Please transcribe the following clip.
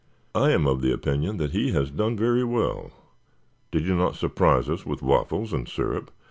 "I am of the opinion that he has done very well. Did he not surprise us with waffles and syrup?"